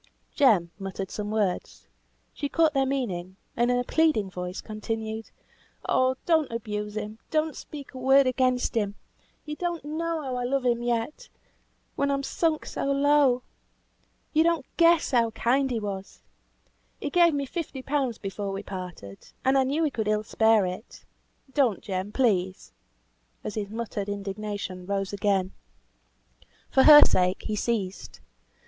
Jem muttered some words; she caught their meaning, and in a pleading voice continued, "Oh, don't abuse him; don't speak a word against him! You don't know how I love him yet; yet, when I am sunk so low. You don't guess how kind he was. He gave me fifty pound before we parted, and I knew he could ill spare it. Don't, Jem, please," as his muttered indignation rose again. For her sake he ceased.